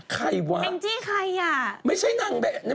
ใครวะเองจีใครอ่ะ